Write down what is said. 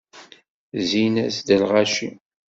Zzin-as-d lɣaci.